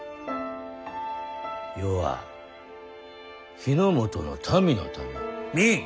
余は日ノ本の民のため明